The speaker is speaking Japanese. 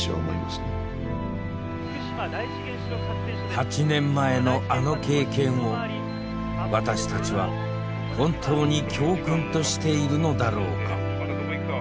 ８年前のあの経験を私たちは本当に教訓としているのだろうか。